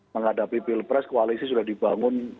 menghadapi pilpres koalisi sudah dibangun